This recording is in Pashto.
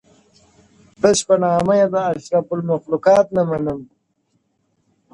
• تش په نامه یې د اشرف المخلوقات نه منم,